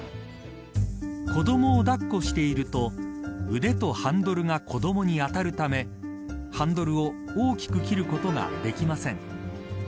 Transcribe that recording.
子どもを抱っこしていると腕とハンドルが子どもに当たるためハンドルを大きく切ることができません。